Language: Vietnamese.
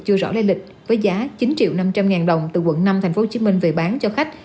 chưa rõ lây lịch với giá chín triệu năm trăm linh ngàn đồng từ quận năm tp hcm về bán cho khách